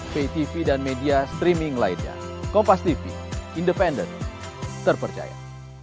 ptv dan media streaming lainnya kompas tv independent terpercaya